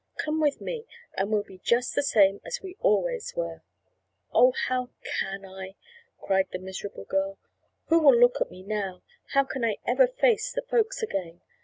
Come with me and we'll be just the same as we always were." "Oh, how can I?" cried the miserable girl. "Who will look at me now? How can I ever face the folks again?